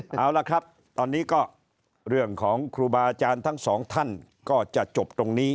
เอาละครับตอนนี้ก็เรื่องของครูบาอาจารย์ทั้งสองท่านก็จะจบตรงนี้